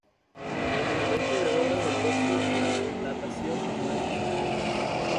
Como en el resto de obras del Bosco, la datación no es concluyente.